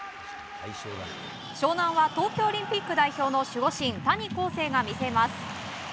湘南は東京オリンピック代表の守護神谷晃生が見せます。